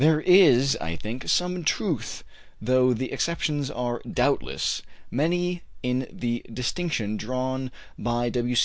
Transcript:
There is, I think, some truth though the exceptions are doubtless many in the distinction drawn by W.